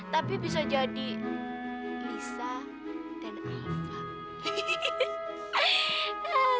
tapi bisa jadi lisa dan apa